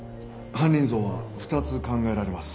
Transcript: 犯人像は２つ考えられます。